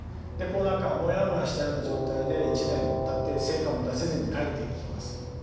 こう何かもやもやしたような状態で１年たって成果も出せずに帰ってきます。